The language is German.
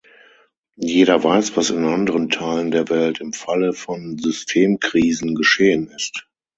Jeder weiß, was in anderen Teilen der Welt im Falle von Systemkrisen geschehen ist.